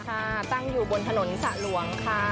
ค่ะตั้งอยู่บนถนนสระหลวงค่ะ